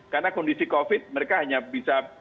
karena kondisi covid mereka hanya bisa